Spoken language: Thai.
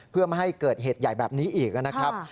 เพื่อไม่ให้เกิดเหตุใหญ่แบบนี้อีกนะครับ